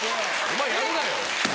お前やるなよ。